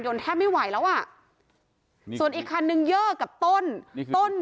ยนต์แทบไม่ไหวแล้วอ่ะส่วนอีกคันหนึ่งเยอะกับต้นนี่